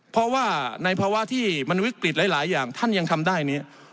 เพราะว่าในภาวะที่มันวิกฤตหลายอย่างท่านยังทำได้เนี่ย